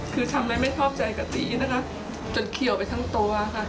คือทำให้ไม่ทอบใจกับตีจนเขี่ยวไปทั้งตัว